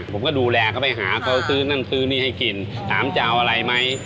ผมก็ดูแลเขาไปหาเขาซื้อนั่นซื้อนี่ให้กินถามจะเอาอะไรไหม